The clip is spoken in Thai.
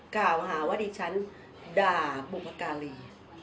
กล่าวหาว่าดิฉันด่าบุพการี